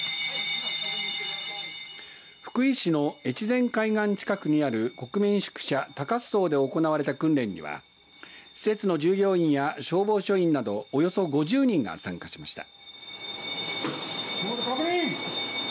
福井市の越前海岸近くにある国民宿舎鷹巣荘で行われた訓練には施設の従業員や消防署員などおよそ５０人が参加しました。